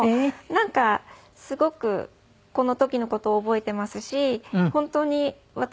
なんかすごくこの時の事を覚えていますし本当に私